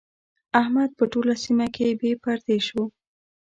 احمد په ټوله سيمه کې بې پردې شو.